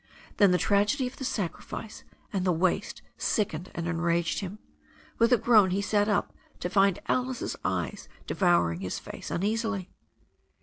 Then the tragedy of the sacrifice and the waste sickened and enraged him. With a groan he sat up to find Alice's eyes devouring his face uneasily.